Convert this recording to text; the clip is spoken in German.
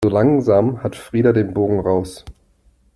So langsam hat Frida den Bogen raus.